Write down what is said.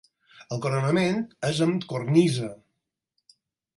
El coronament és amb cornisa.